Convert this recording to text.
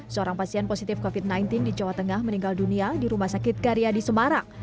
seorang pasien positif covid sembilan belas di jawa tengah meninggal dunia di rumah sakit karyadi semarang